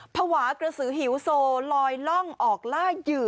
ภาวะกระสือหิวโซลอยล่องออกล่าเหยื่อ